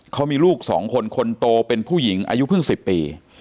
เขามีลูก๒คนคนโตเป็นผู้หญิงอายุเพิ่ง๑๐ปี